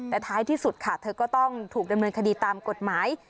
แต่ท้ายที่สุดค่ะเธอก็ต้องถูกดำเนินคดีตามกฎหมาย